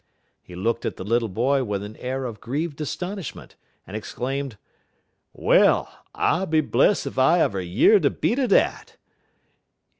He looked at the little boy with an air of grieved astonishment, and exclaimed: "Well, I be bless if I ever year der beat er dat.